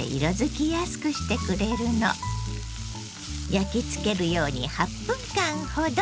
焼きつけるように８分間ほど。